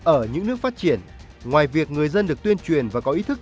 ở những nước phát triển ngoài việc người dân được tuyên truyền và có ý thức